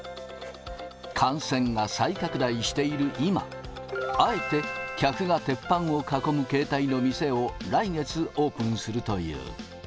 感染が再拡大している今、あえて客が鉄板を囲む形態の店を来月オープンするという。